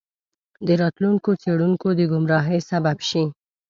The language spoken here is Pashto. د راتلونکو څیړونکو د ګمراهۍ سبب شي.